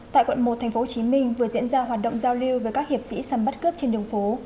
tại quận một tp hcm vừa diễn ra hoạt động giao lưu với các hiệp sĩ săn bắt cướp trên đường phố